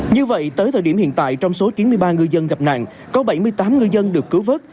như vậy tới thời điểm hiện tại trong số chín mươi ba ngư dân gặp nạn có bảy mươi tám ngư dân được cứu vớt